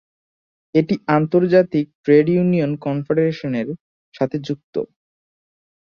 এটি আন্তর্জাতিক trade union কনফেডারেশনের সাথে যুক্ত।